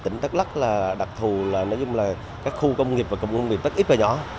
tỉnh tất lắc đặc thù là các khu công nghiệp và công công nghiệp rất ít và nhỏ